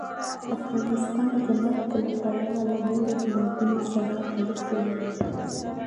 افغانستان د نفت له پلوه له نورو هېوادونو سره اړیکې لري.